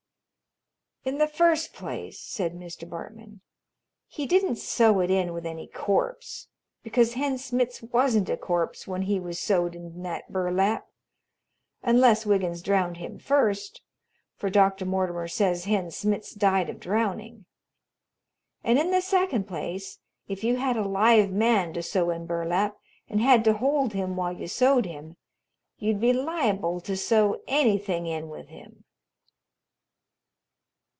"In the first place," said Mr. Bartman, "he didn't sew it in with any corpse, because Hen Smitz wasn't a corpse when he was sewed in that burlap, unless Wiggins drowned him first, for Dr. Mortimer says Hen Smitz died of drowning; and in the second place, if you had a live man to sew in burlap, and had to hold him while you sewed him, you'd be liable to sew anything in with him.